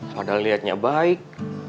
padahal liatnya baik